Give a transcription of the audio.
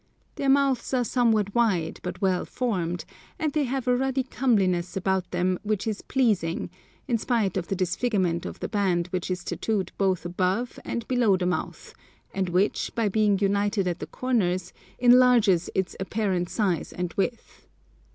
Their mouths are somewhat wide, but well formed, and they have a ruddy comeliness about them which is pleasing, in spite of the disfigurement of the band which is tattooed both above and below the mouth, and which, by being united at the corners, enlarges its apparent size and width.